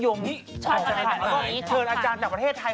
ชอบอะไรแบบนี้ชอบค่ะแล้วก็เชิญอาจารย์จากประเทศไทย